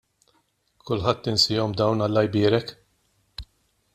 Kulħadd insihom dawn Alla jbierek!